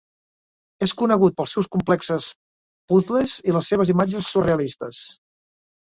És conegut pels seus complexes puzles i les seves imatges surrealistes.